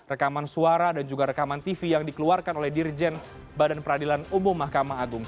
rekaman suara dan juga rekaman tv yang dikeluarkan oleh dirjen badan peradilan umum mahkamah agung